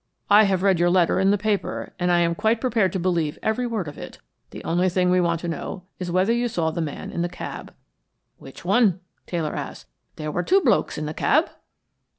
I have read your letter in the paper, and I am quite prepared to believe every word of it. The only thing we want to know is whether you saw the man in the cab " "Which one?" Taylor asked. "There were two blokes in the cab."